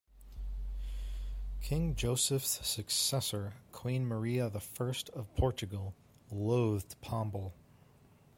King Joseph's successor, Queen Maria the First of Portugal, loathed Pombal.